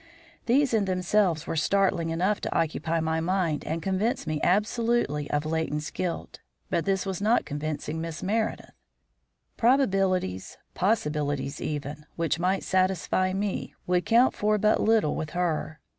These in themselves were startling enough to occupy my mind and convince me absolutely of Leighton's guilt. But this was not convincing Miss Meredith. Probabilities, possibilities even, which might satisfy me, would count for but little with her.